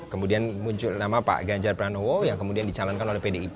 kemudian muncul nama pak ganjar pranowo yang kemudian dicalonkan oleh pdip